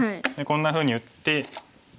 こんなふうに打って。